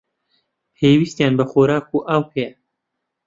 پێویستیان بە خۆراک و ئاو هەیە.